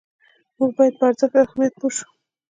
موږ باید په ارزښت او اهمیت یې پوه شو.